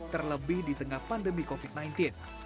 terlebih di tengah pandemi covid sembilan belas